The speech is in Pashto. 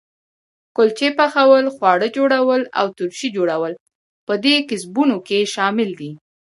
کلچې پخول، خواږه جوړول او ترشي جوړول په دې کسبونو کې شامل دي.